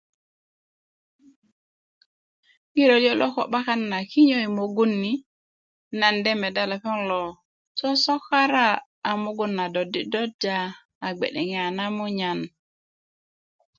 ŋiro liö lo ko 'bakan na kinyo i mugun ni nan de meda lepeŋ lo sosokara a mugun dodi dodia a bge'deŋe a namunyan